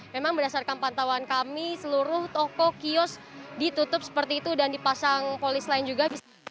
memang berdasarkan pantauan kami seluruh toko kios ditutup seperti itu dan dipasang polis lain juga